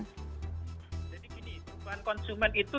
jadi gini kesempatan konsumen itu